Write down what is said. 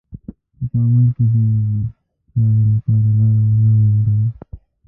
خو په عمل کې دې چارې لپاره لاره ونه مونده